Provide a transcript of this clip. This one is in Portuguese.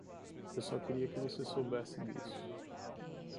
Eu só queria que você soubesse disso.